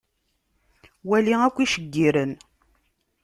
Wali akk iceggiren.